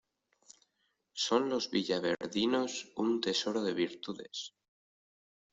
Son los villaverdinos un tesoro de virtudes.